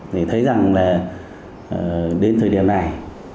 thì thấy rằng là đến thời điểm này